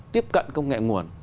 tiếp cận công nghệ nguồn